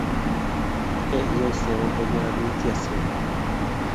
He'i osẽvo ko ña Anunciación